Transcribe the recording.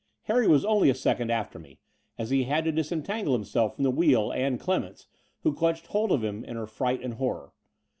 Harry was only a second after me, as he had to disentangle himself from the wheel and Clemence, who clutched hold of him in her fright and horror.